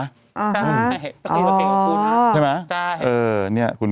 ใช่คืออย่ามาเก่งกับกูนะ